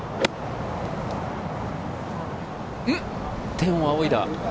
天を仰いだ！